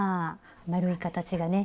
丸い形がね